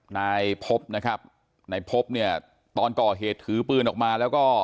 นายพบนะครับนายพบเนี่ยตอนก่อเหตุถือปืนออกมาแล้วก็